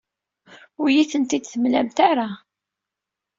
Ur iyi-ten-id-temlamt ara.